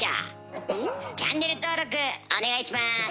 チャンネル登録お願いします。